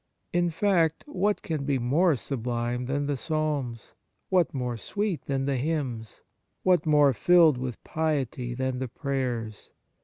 In fact, what can be more sublime than the Psalms ? what more sweet than the hymns ? what more filled with piety than the prayers